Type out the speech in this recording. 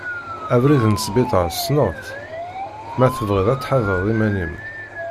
Abrid n Sbiṭer tesneḍ-t, ma tebɣiḍ ad tḥadreḍ iman-im.